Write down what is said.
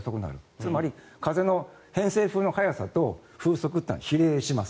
つまり、風の偏西風の速さと風速というのは比例します。